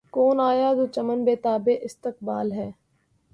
کون آیا‘ جو چمن بے تابِ استقبال ہے!